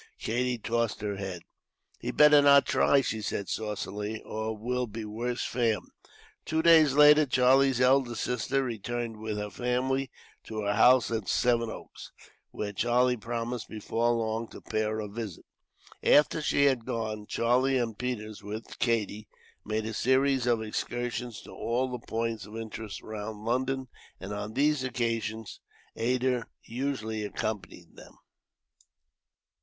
Katie tossed her head. "He'd better not try," she said saucily, "or it will be worse for him." Two days later, Charlie's elder sister returned with her family to her house at Sevenoaks; where Charlie promised, before long, to pay her a visit. After she had gone, Charlie and Peters, with Katie, made a series of excursions to all the points of interest, round London; and on these occasions Ada usually accompanied them.